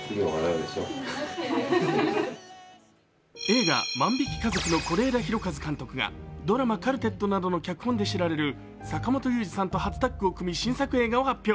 映画「万引き家族」の是枝裕和監督がドラマ「カルテット」などの脚本で知られる坂元裕二さんと初タッグを組み、新作映画を発表。